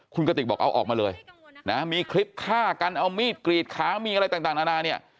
คุณกติบอกเอาออกมาเลยมีคริปข้ากันเอามีดกรีดยีดข้าวมีอะไรต่าง